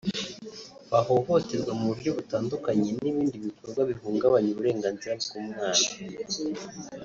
bahohoterwa mu buryo butandukanye n’ibindi bikorwa bihungabanya uburenganzira bw’umwana